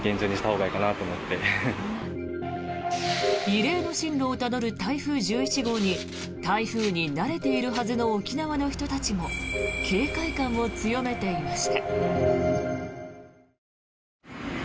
異例の進路をたどる台風１１号に台風に慣れているはずの沖縄の人たちも警戒感を強めていました。